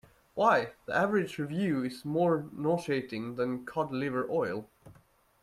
Why, the average review is more nauseating than cod liver oil.